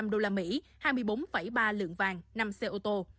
ba năm trăm linh đô la mỹ hai mươi bốn ba lượng vàng năm xe ô tô